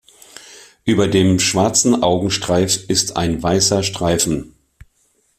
Über dem schwarzen Augenstreif ist ein weißer Streifen.